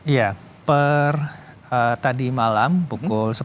iya per tadi malam pukul sepuluh tiga puluh data kami menunjukkan ada sepuluh orang yang mengungsi